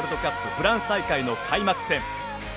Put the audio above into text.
フランス大会の開幕戦。